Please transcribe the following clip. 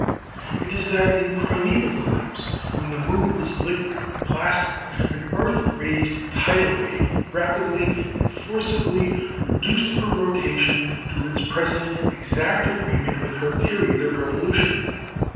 It is that in primeval times, when the moon was liquid or plastic, an earth raised tidal wave rapidly and forcibly reduced her rotation to its present exact agreement with her period of revolution.